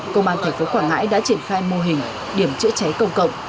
công an thành phố quảng ngãi đã triển khai mô hình điểm chữa cháy công cộng